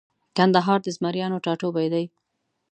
کندهار د زمریانو ټاټوبۍ دی